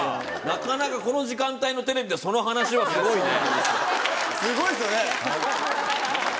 なかなかこの時間帯のテレビでその話はすごいね。